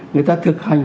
người ta thực hành